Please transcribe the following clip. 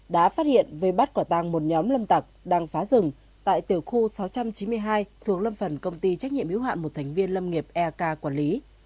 đã phát hiện về bắt quả tàng một nhóm lâm tặc đang phá rừng tại tiểu khu sáu trăm chín mươi hai thuộc lâm phần công ty trách nhiệm yếu hạn một thành viên lâm nghiệp eak quản lý